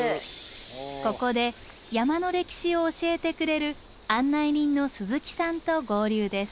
ここで山の歴史を教えてくれる案内人の鈴木さんと合流です。